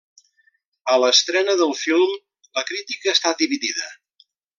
A l'estrena del film, la crítica està dividida.